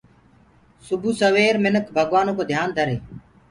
سبو سوير مِنک ڀگوآنو ڪو ڌيآن ڌري۔